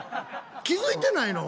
気付いてないの？